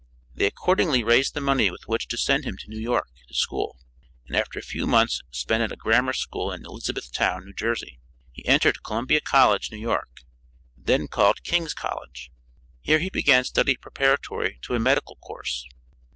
They accordingly raised the money with which to send him to New York to school, and after a few months spent at a grammar school in Elizabethtown, New Jersey, he entered Columbia College, New York then called Kings College. Here he began study preparatory to a medical course.